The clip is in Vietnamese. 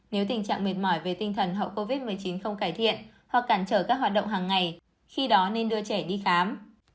nếu tình trạng mệt mỏi về tinh thần hậu covid một mươi chín không cải thiện hoặc cản trở các hoạt động hàng ngày khi đó nên đưa trẻ đi khám